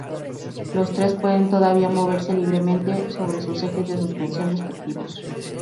Los tres pueden todavía moverse libremente sobre sus ejes de suspensión respectivos.